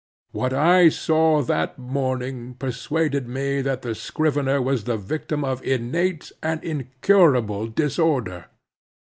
What I saw that morning persuaded me that the scrivener was the victim of innate and incurable disorder.